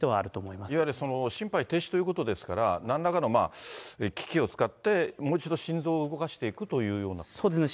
いわゆる心肺停止ということですから、なんらかの機器を使って、もう一度心臓を動かしていくというようそうですね。